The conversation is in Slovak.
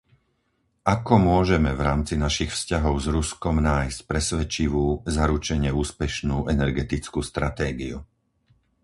Ako môžeme v rámci našich vzťahov s Ruskom nájsť presvedčivú zaručene úspešnú energetickú stratégiu?